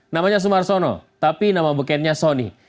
namanya sumarsono tapi nama bekannya soni